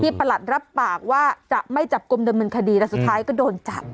ประหลัดรับปากว่าจะไม่จับกลุ่มดำเนินคดีแต่สุดท้ายก็โดนจับ